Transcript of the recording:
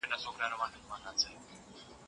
آیا تاسو ورسره موافق یاست؟